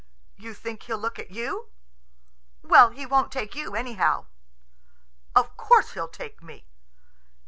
"You think he'll look at you?" "Well, he won't take you, anyhow." "Of course he'll take me."